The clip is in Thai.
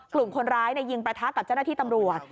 กลุ่มคนร้ายยิงประทะกับเจ้าหน้าที่ตำรวจ